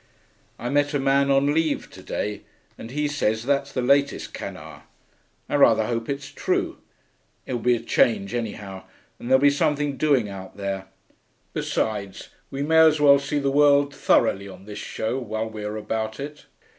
I met a man on leave to day, and he says that's the latest canard. I rather hope it's true. It will be a change, anyhow, and there'll be something doing out there. Besides, we may as well see the world thoroughly on this show, while we are about it.